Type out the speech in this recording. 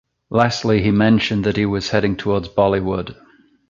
Lastly, he mentioned that he was heading towards Bollywood.